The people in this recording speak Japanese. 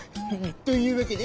というわけで。